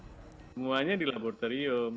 semuanya di laboratorium